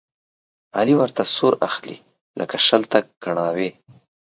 علي ورته سور اخلي، لکه شل ته کڼاوې.